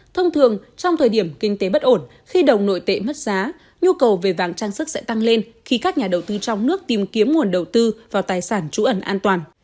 thông thường trong thời điểm kinh tế bất ổn khi đồng nội tệ mất giá nhu cầu về vàng trang sức sẽ tăng lên khi các nhà đầu tư trong nước tìm kiếm nguồn đầu tư vào tài sản trú ẩn an toàn